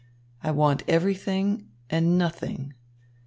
I want everything and nothing.